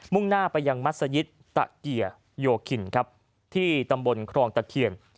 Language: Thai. ่งหน้าไปยังมัศยิตตะเกียโยคินครับที่ตำบลครองตะเคียน